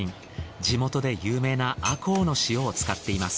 地元で有名な赤穂の塩を使っています。